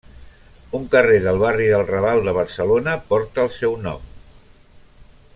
Un carrer del barri del Raval de Barcelona porta el seu nom.